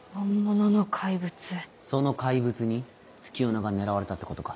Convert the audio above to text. その怪物に月夜野が狙われたってことか。